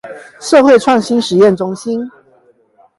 社會創新實驗中心